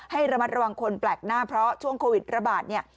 ให้ระมัดระวังคนแปลกหน้าเพราะช่วงโควิดระบาดเนี่ย